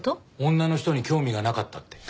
女の人に興味がなかったって。